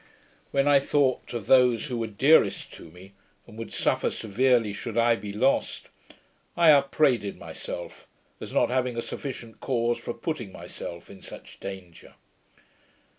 When I thought of those who were dearest to me, and would suffer severely, should I be lost, I upbraided myself, as not having a sufficient cause for putting myself in such danger.